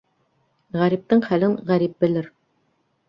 Ғәриптең хәлен ғәрип белер.